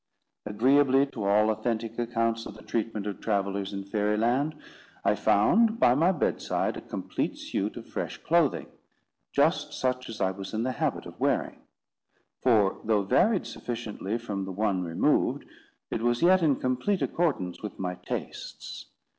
Agreeably to all authentic accounts of the treatment of travellers in Fairy Land, I found by my bedside a complete suit of fresh clothing, just such as I was in the habit of wearing; for, though varied sufficiently from the one removed, it was yet in complete accordance with my tastes.